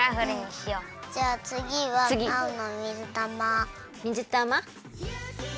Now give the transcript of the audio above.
じゃあつぎはあおのみずたま。